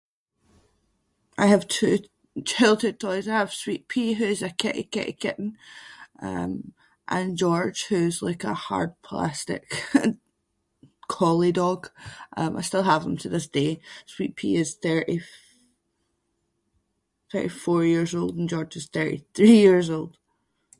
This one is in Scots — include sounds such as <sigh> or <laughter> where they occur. I have two childhood toys. I have Sweetpea who’s a kitty kitty kitten um and George who’s like a hard plastic <laughs> Collie dog. Um I still have them to this day. Sweetpea is thirty-f- thirty-four years old and George is thirty-three years old.